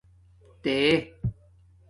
تے